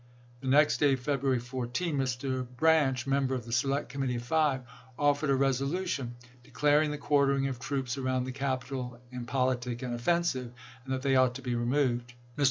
The next day, Feb ruary 14, Mr. Branch, member of the Select Com mittee of Five, offered a resolution declaring the quartering of troops around the Capitol "im politic and offensive," and that they ought to be „Globe>. removed. Mr.